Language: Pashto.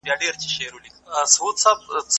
د سانسور شتون د فرهنګي وروسته پاته والي لامل کېږي.